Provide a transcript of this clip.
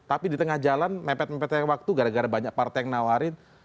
tapi di tengah jalan mepet mepet yang waktu gara gara banyak partai yang nawarin